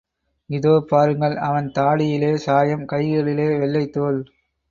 இதோ பாருங்கள் அவன் தாடியிலே சாயம், கைகளிலே வெள்ளைத் தோல்.